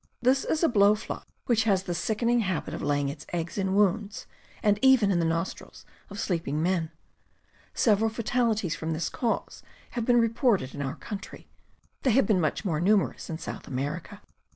This is a blow fly which has the sickening habit of laying its eggs in wounds, and even in the nostrils of sleeping men. Several fatalities from this cause have been reported in our country; they have been much more numerous in South America.